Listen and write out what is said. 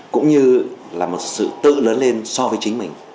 cũng như là một sự tự lớn lên so với chính mình